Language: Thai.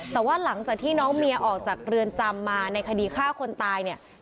แต่ว่าหลังจากที่น้องเมียออกจากเรือนจำมาในคดีฆ่าคนตายเนี่ย